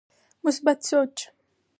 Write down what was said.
مثبت سوچ